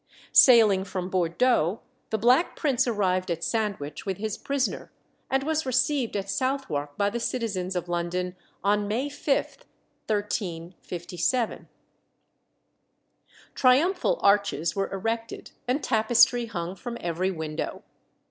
Sailing from Bordeaux, the Black Prince arrived at Sandwich with his prisoner, and was received at Southwark by the citizens of London on May 5, 1357. Triumphal arches were erected, and tapestry hung from every window.